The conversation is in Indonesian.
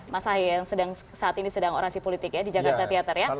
mas ahy yang saat ini sedang orasi politik ya di jakarta theater ya